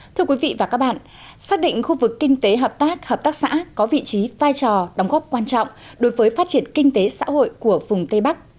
thưa quý vị và các bạn xác định khu vực kinh tế hợp tác hợp tác xã có vị trí vai trò đóng góp quan trọng đối với phát triển kinh tế xã hội của vùng tây bắc